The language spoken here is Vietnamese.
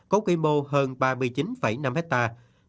có quy mô hơn ba mươi chín năm hectare